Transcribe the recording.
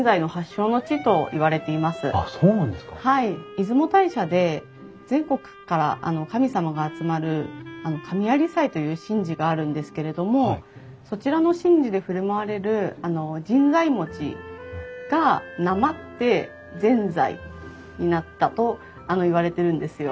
出雲大社で全国から神様が集まる神在祭という神事があるんですけれどもそちらの神事で振る舞われる神在餅がなまってぜんざいになったといわれてるんですよ。